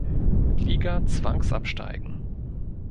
Liga zwangsabsteigen.